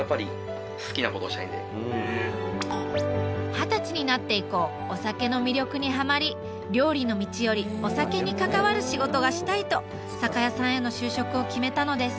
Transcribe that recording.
二十歳になって以降お酒の魅力にハマり料理の道よりお酒に関わる仕事がしたい！と酒屋さんへの就職を決めたのです。